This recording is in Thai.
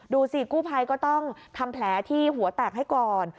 ดูสิกู้ภัยก็ต้องทำแผลที่หัวแตกให้ก่อน